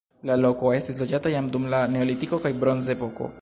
La loko estis loĝata jam dum la paleolitiko kaj bronzepoko.